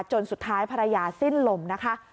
จนสุดท้ายภรรยาสิ้นลมนะคะ